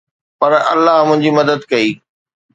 پر الله منهنجي مدد ڪئي